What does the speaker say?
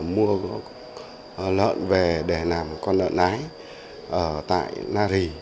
mua lợn về để làm con con